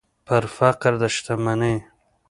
پر فقر د شتمنۍ